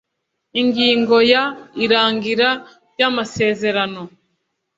ingingo ya irangira ry amasezerano